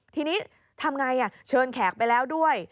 ทีนี้ทำไงเชิญแขกไปแล้วด้วย